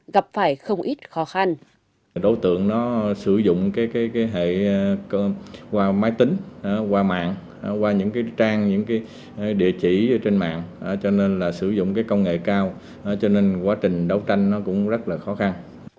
gặp phải không ít khó khăn